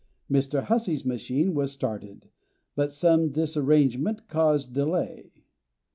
Mr. Hussey's machine was started, but some disarrangement caused delay.